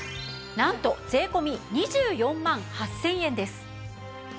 なんと税込２４万８０００円です。